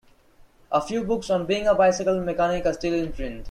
A few books on being a bicycle mechanic are still in print.